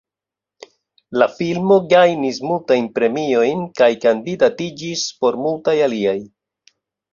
La filmo gajnis multajn premiojn, kaj kandidatiĝis por multaj aliaj.